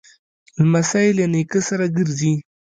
لمسی له نیکه سره ګرځي.